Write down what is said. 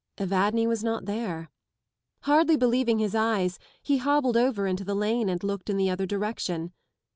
Evadne was not there. Hardly believing his eyes he hobbled over into the lane and looked in the other direction.